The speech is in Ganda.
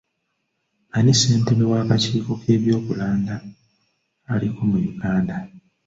Ani ssentebe w'akakiiko k'ebyokulanda aliko mu Uganda?